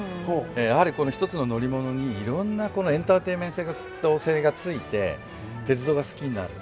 やはりこの一つの乗り物にいろんなエンターテインメント性がついて鉄道が好きになる。